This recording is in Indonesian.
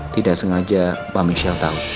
tidak sengaja pak michelle tau